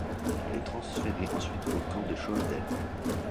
Il est transféré ensuite au camp de Choisel.